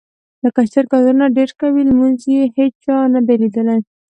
لکه چرګ اذانونه ډېر کوي، لمونځ یې هېچا نه دي لیدلی.